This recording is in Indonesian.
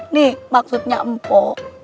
nih maksudnya ambo